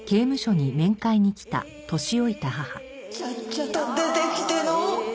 ちゃっちゃと出てきての。